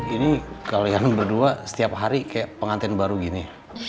ini kalian berdua setiap hari kayak pengantin baru gini